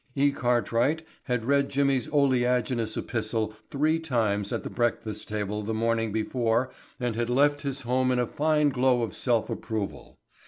E. Cartwright had read Jimmy's oleaginous epistle three times at the breakfast table the morning before and had left his home in a fine glow of self approval.